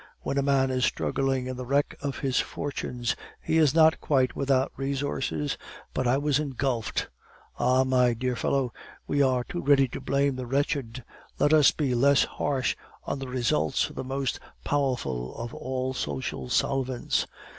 When a man is struggling in the wreck of his fortunes, he is not quite without resources, but I was engulfed. Ah, my dear fellow, we are too ready to blame the wretched. Let us be less harsh on the results of the most powerful of all social solvents.